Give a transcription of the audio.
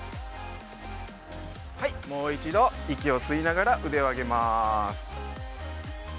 もう一度息を吸いながら腕を上げます。